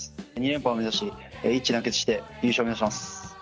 ２連覇を目指し、一致団結して優勝を目指します。